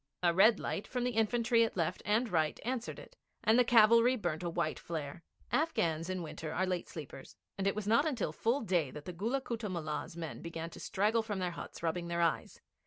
A red light from the infantry at left and right answered it, and the cavalry burnt a white flare. Afghans in winter are late sleepers, and it was not till full day that the Gulla Kutta Mullah's men began to straggle from their huts, rubbing their eyes.